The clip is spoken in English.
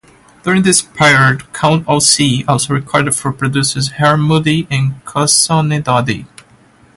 During this period Count Ossie also recorded for producers Harry Mudie and Coxsone Dodd.